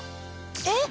えっ！